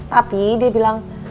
tapi dia bilang